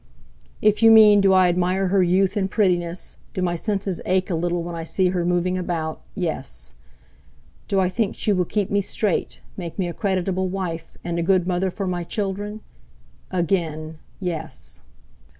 If you mean do I admire her youth and prettiness, do my senses ache a little when I see her moving about—yes! Do I think she will keep me straight, make me a creditable wife and a good mother for my children?—again, yes!"